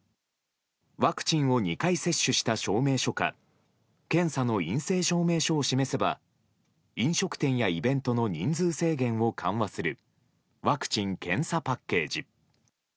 ワクチンを２回接種した証明書か検査の陰性証明書を示せば飲食店やイベントの人数制限を緩和するワクチン・検査パッケージ。